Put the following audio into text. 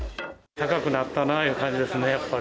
高くなったないう感じですね、やっぱり。